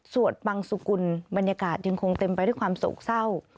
สวดบังสุกุลบรรยากาศยังคงเต็มไปด้วยความโศกเศร้า